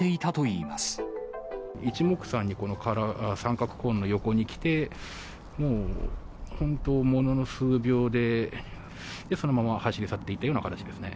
いちもくさんにこの三角コーンの横に来て、もう本当ものの数秒でそのまま走り去っていったような形ですね。